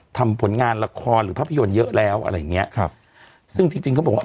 ทำผลงานละครหรือภาพยนตร์เยอะแล้วอะไรอย่างเงี้ยครับซึ่งจริงจริงเขาบอกว่า